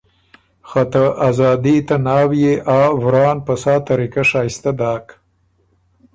خه ته آزادي ته ناوئے آ ورا ن په سا طریقۀ شائِستۀ داک